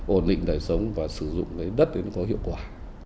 ổn định đời sống và sử dụng đất để nó có hiệu quả